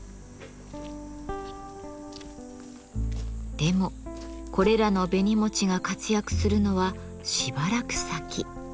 でもこれらの紅餅が活躍するのはしばらく先。